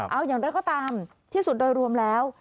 เอาอย่างไรก็ตามที่สุดโดยรวมแล้ว